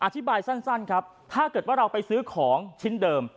สั้นครับถ้าเกิดว่าเราไปซื้อของชิ้นเดิม